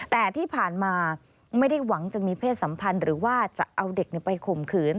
แต่ที่ผ่านมาไม่ได้หวังจะมีเพศสัมพันธ์หรือว่าจะเอาเด็กไปข่มขืน